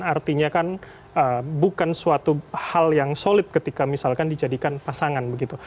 artinya kan bukan suatu hal yang solid ketika misalkan dijadikan pasangan begitu